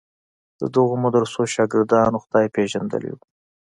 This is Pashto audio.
د دغو مدرسو شاګردانو خدای پېژندلی و.